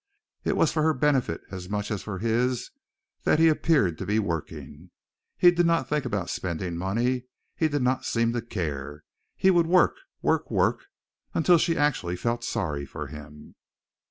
It was for her benefit as much as for his that he appeared to be working. He did not think about spending money. He did not seem to care. He would work, work, work, until she actually felt sorry for him.